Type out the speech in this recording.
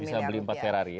bisa beli empat ferrari ya